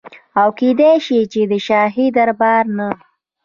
او کيدی شي چي د شاهي دربار نه